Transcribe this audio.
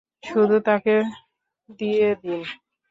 শুধু তাকে দিয়ে দিন!